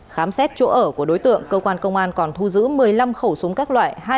khám xét chỗ ở của đối tượng cơ quan công an còn thu giữ một mươi năm khẩu súng các loại